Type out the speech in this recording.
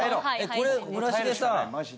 これ村重さん